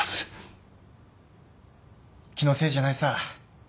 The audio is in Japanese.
気のせいじゃないさ。